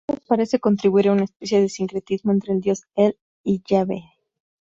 Todo parece contribuir a una especie de sincretismo entre el dios El y Yahveh.